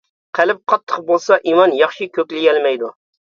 قەلب قاتتىق بولسا ئىمان ياخشى كۆكلىيەلمەيدۇ.